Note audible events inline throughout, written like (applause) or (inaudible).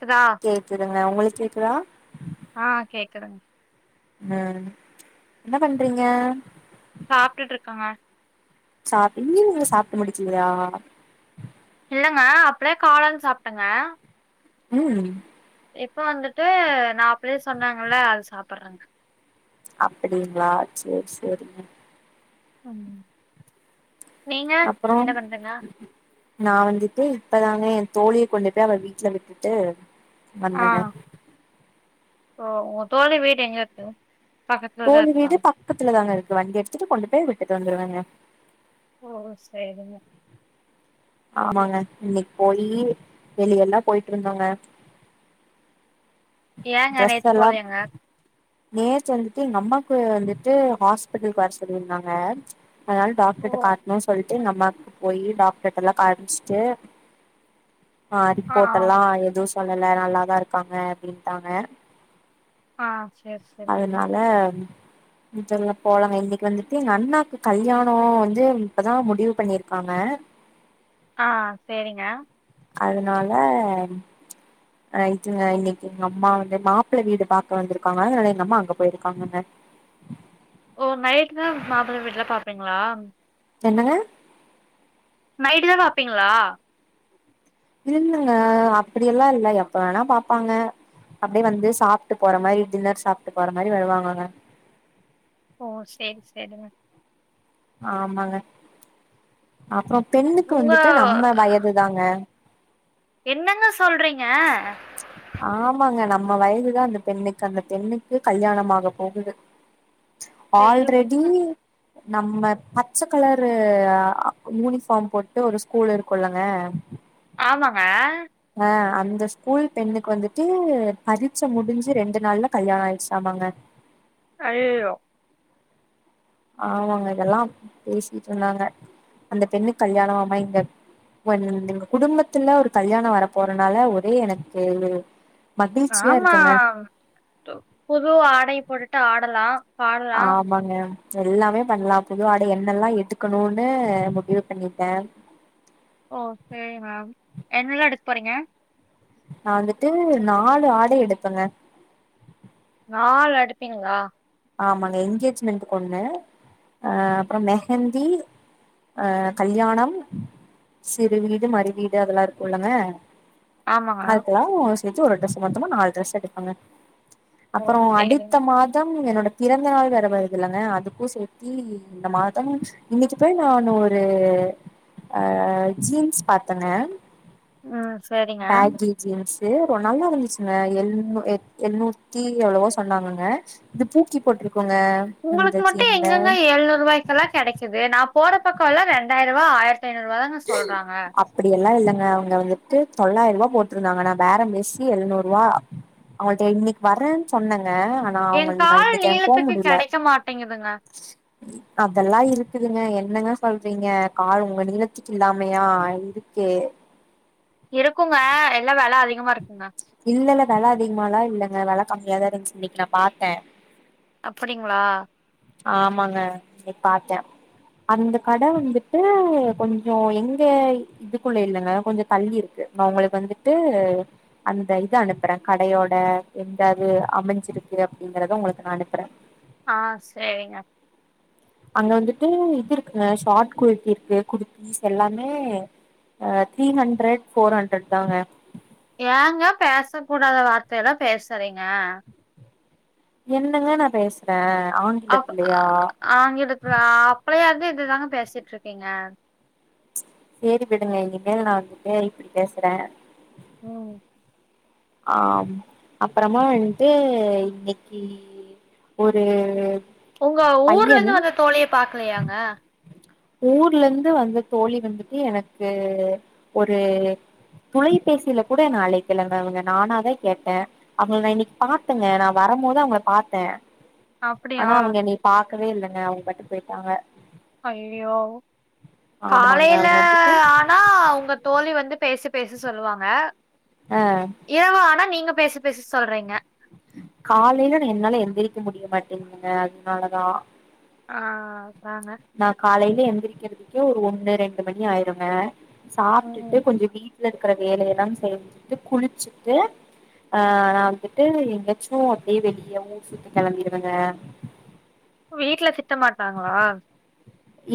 கேக்குதா கேக்குதுங்க ஒங்களுக்கு கேக்குதா ஆ கேக்குதுங் ஆ என்ன பண்றீங்க சாப்ட்டுட்டு இருக்கங்க சாப் இன்னிங்குள்ள சாப்ட்டு முடிச்சிங்லயா இல்லங்க அப்டே காளான் சாப்ட்டங்க ம் இப்ப வந்துட்டு நா அப்பவே சொன்னங்கல்ல அது சாப்பறங்க அப்டிங்கிளா சேரி சேரிங்க ம் நீங்க அப்றோ என்ன பண்றிங்க நா வந்துட்டு இப்பதாங்க ஏ தோழிய கொண்டு போய் அவ வீட்ல விட்டுட்டு ஆ வந்தங்க ஓ ஒங்க தோழி வீடு எங்க இருக்கு பக்கத்துலதா தோழி இருக்கா வீடு பக்கத்துல தாங்க இருக்கு வண்டி எடுத்துட்டு கொண்டு போய் விட்டுட்டு வந்துருவங்க ஓ செரிங்க ஆமாங்க இன்னைக்கு போயி வெளியெல்லா போயிட்டு வந்தோங்க ஏங்க நேத்து ட்ரெஸ்ஸெல்லா போலயாங்க நேத்து வந்துட்டு எங்கஅம்மாக்கு வந்துட்டு ஹாஸ்பிட்டலுக்கு வர சொல்லிருந்தாங்க அதனால ஓ டாக்டர்ட்ட காட்டணுனு சொல்ட்டு எங்க அம்மாக்கு போயி டாக்டர்ட்டல்லா காமிச்ட்டு ஆ ரிப்போர்டல்லா எது சொல்லல நல்லாதா இருக்காங்க அப்டின்ட்டாங்க ஆ சேரி சேரிங்க அதனால சொல்ல போலங்க இன்னைக்கு வந்துட்டு எங்க அண்ணாக்கு கல்யாணோ வந்து இப்பதா முடிவு பண்ணிருக்காங்க ஆ சேரிங்க அதனால அ இதுங்க இன்னிக்கு எங்க அம்மா வந்து மாப்ள வீடு பாக்க வந்திருக்காங்க அதனால எங்கம்மா அங்க போயிருக்காங்கங்க ஓ நைட்தா மாப்ள வீட்ல்லா பாப்பீங்ளா என்னங்க நைட் தா பாப்பீங்ளா இல்லல்லங்க அப்டியெல்லா இல்ல எப்ப வேணா பாப்பாங்க அப்டே வந்து சாப்ட்டு போற மாரி டின்னர் சாப்ட்டு போற மாரி வருவாங்கங்க ஓ சேரி சேரிங்க ஆமாங்க அப்றோ பெண்ணுக்கு உங்க வந்துட்டு நம்ம வயதுதாங்க என்னங்க சொல்றீங்க ஆமாங்க நம்ம வயசுதா அந்த பெண்ணுக்கு அந்த பெண்ணுக்கு கல்யாணமாக போகுது சேரி ஆல்ரெடி உடுங்க நம்ம பச்ச கலரு யூனிஃபார்ம் போட்டு ஒரு ஸ்கூலு இருக்குல்லங்க ஆமாங்க அ அந்த ஸ்கூல் பெண்ணுக்கு வந்துட்டு பரீட்ச முடிஞ்ச ரெண்டு நாள்ல கல்யாண ஆயிடுச்சாமாங்க அய்யயோ ஆமாங்க எல்லா பேசிட்டு இருந்தாங்க அந்த பெண்ணுக் கல்யாணமாமா இங்க இப்ப எங்க குடும்பத்துல ஒரு கல்யாண வர போறனால ஒரே எனக்கு மகிழ்ச்சியா ஆமா இருக்குங்க புது ஆடை போட்டுட்டு ஆடலா பாட லா ஆமாங்க எல்லாமே பண்லா புது ஆடை என்னெல்லா எடுக்கணுன்னு முடிவு பண்ணிட்ட ஓ சேரி என்னல்லா எடுக் போறீங்க நா வந்துட்டு நாலு ஆடை எடுப்பங்க நாலு அடுப்பிங்ளா ஆமாங்க என்ங்கேஜ்மெண்ட் ஒண்ணு அ அப்பறொ மெஹந்தி அ கல்யாணம் சிறு வீடு மறு வீடு அதெல்லா இருக்குல்லங்க ஆமாங்க அதுக்கெல்லா சேத்து ஒரு ட்ரெஸ் மொத்தமா நாலு ட்ரெஸ் எடுப்பங்க ஓ அப்புற சேரிங்க அடுத்த மாதம் என்னோட பிறந்த நாள் வேற வருதுல்லங்க அதுக்கு சேத்தி இந்த மாதம் இன்னிக்கு போய் நானு ஒரு அ ஜீன்ஸ் பாத்தங்க ம் சேரிங்க பேகீ ஜீன்ஸு ஒரு நல்லா இருந்துச்சுங்க எள்நூ எழ்நூத்தி எவ்ளவோ சொன்னாங்கங்க இது பூக்கி போட்ருக்குங்க உங்களுக்கு மட்டு எங்கெங்க எழுநூறு ரூவாய்க்கெல்லா கெடைக்குது நா போற பக்கோ எல்லா ரெண்டாயி ருவா ஆயிரத் த்தி ஐநூறுபா தாங்க சொல்றாங்க அப்புடி எல்லா இல்லங்க அவங்க வந்துட்டு தொள்ளாயிர ரூவா போட்ருந்தாங்க நா பேரம் பேசி எழ்நூறுவா அவங்கள்ட்ட இன்னிக்கு வரன்னு சொன்னங்க நா எ அவங்கள் நா கால் இன்னிக்கு எனக்கு போ நீளத்துக்கு முடில கெடைக்க மாட்டேங்குதுங்க அதெல்லா இருக்குதுங்க என்னங்க சொல்றீங்க கால் உங்க நீல த்துக்கு இல்லாமையா இருக்கே இருக்குங்க எல்லா வெல அதிகமா இருக்குங்க இல்ல இல்ல வெல அதிகமாலா இல்லங்க வெல கம்மியாதா இருஞ்ச்சு இன்னிக் நா பாத்த அப்படிங்ளா ஆமாங்க இன்னிக் பாத்த அந்த கட வந்துட்டு கொஞ்சோ எங்க இதுக்குள்ள இல்லங்க கொஞ்ச தள்ளி இருக்கு நா உங்களுக்கு வந்துட்டு அந்த இது அனுப்பற கடையோட எந்தாது அமைஞ்சிருக்கு அப்டிங்கறத உங்களுக்கு நா அனுப்புற ஆ சேரிங்க அங்க வந்துட்டு இது இருக்குங்க ஷாட் குர்த்தி இருக்கு குர்த்தீஸ் எல்லாமே அ த்ரீ ஹண்ட்ரட் ஃபோர்ஹண்ட்ரட் தாங்க ஏங்க பேச கூடாத வார்த்த எல்லா பேசறீங்க என்னங்க நா பேசற அப் ஆ ஆங்கிலத்திலயா ஆங்கிலத்துல அ அப்பலயிந்து இதுதாங்க பேசிட்ருக்கீங்க சேரி விடுங்க இனிமேல் நா வந்துட்டு இப்டி பேசற ம் ஆ அப்றமா வன்ட்டு இன்னிக்கி ஒரு ஒங்க ஊர்ல பையன் இருந்து வந்த தோழிய பாக்கலையாங்க ஊர்ல இருந்து வந்த தோழி வந்துட்டு எனக்கு ஒரு தொலைபேசில கூட என்ன அழைக்கலங்க அவங்க நானாதா கேட்ட அவங்கள நா இன்னிக்கு பாத்தங்க நா வரும்போது அவங்கள பாத்த அப்டியா ஆனா அவங்க என்னைய பாக்கவே இல்லங்க அவங்க பாட்டு போய்ட்டாங்க ஐயோ ஆமாங்க காலையில அவங்க வந்துட்டு ஆனா அவுங்க தோழி வந்து பேசு பேசு சொல்லுவாங்க அ இரவு ஆனா நீங்க பேசு பேசு சொல்றீங்க காலைல என்னால எந்திரிக்க முடிய மாட்டேங்குதுங்க அதனாலதா ஆ அ த நா காலைல எந்திரிக்கிறதுக்கே ஒரு ஒண்ணு ரெண்டு மணி ஆயிருங்க ம் சாப்ட்டுட்டு கொஞ்ச வீட் ல இருக்கற வேலையெல்லா செஞ்சுட்டு குளிச்சுட்டு ஆ நா வந்துட்டு எங்காச்சு அப்டியே வெளிய ஊர் சுத்தி கெளம்பிருவங்க வீட்ல திட்ட மாட்டாங்களா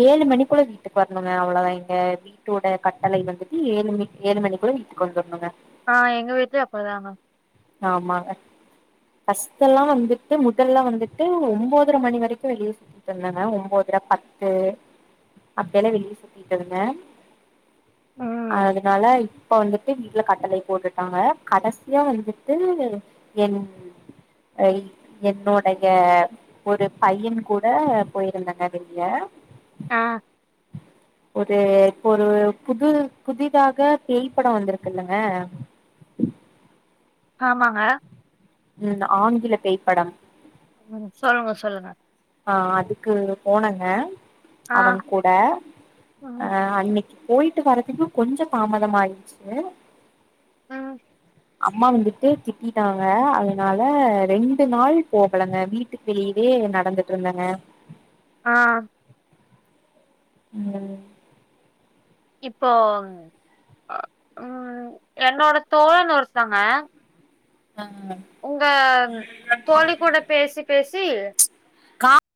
ஏழு மணிக்குள்ள வீட்டுக்கு வரணுங்க அவ்ளோதா இங்க வீட்டோட கட்டளை வந்துட்டு ஏழு மணி ஏழு மணிக்குள்ள வீட்டுக்கு வந்தருணுங்க ஆ எங்க வீட்லயு அப்படிதாங்க ஆமாங்க ஃபர்ஸ்ட் எல்லா வந்துட்டு முதல்ல வந்துட்டு ஒன்ம்பதர மணி வரைக்கு வெளிய சுத்தனங்க ஒன்போதர பத்து அப்டி எல்லாம வெளிய சுத்திட்டு இருந்த ம் அதுனாலை இப்ப வந்துட்டு வீட்ல கட்டளை போட்டுட்டாங்க கடைசியா வந்துட்டு என் ஐ என்னோடைய ஒரு பைய கூட போயி இருந்தங்க வெளிய ஆ ஒரு இப்ப ஒரு புது புதிதாக பேய்ப்படம் வந்துருக்குல்லங்க ஆமாங்க ம் ஆங்கில பேய்ப்படம் ம் சொல்லுங்க சொல்லுங்க ஆ அதுக்கு போனங்க ஆ அவன் கூட அ ம் அன்னக் போயிட்டு வரதுக்கு கொஞ்ச தாமதமா ஆயிட்ச்சுங்க ம் அம்மா வந்துட்டு திட்டிட்டாங்க அதுனால ரெண்டு நாளு போகலங்க வீட்டுக் வெளியே நடந்துட்ருந்தங்க ஆ (unintelligible) இப்போ அ ம் என்னோட தோழன் ஒருத்தங்க தங்க உங்க தோழி கூட பேசி பேசி